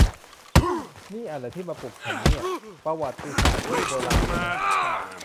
นี่อ่ะหรอที่มาปลุกฉันเนี่ย ประวัติศาสตร์ยุคโบราณเนี่ยนะ